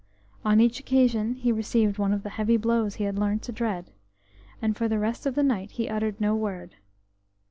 On each occasion he received one of the heavy blows he had learnt to dread, and for the rest of the night he uttered no word.